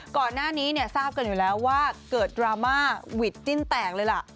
ก่อนหน้านี้เนี่ยทราบกันอยู่แล้วว่าเกิดดราม่าหวิดจิ้นแตกเลยล่ะ